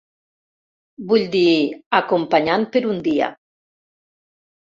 Vull dir, acompanyant per un dia.